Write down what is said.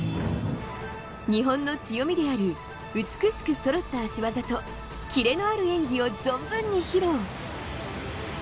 日本の強みである美しくそろった脚技とキレのある演技を存分に披露。